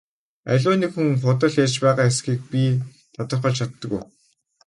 Аливаа нэг хүн худал ярьж байгаа эсэхийг би тодорхойлж чаддаг уу?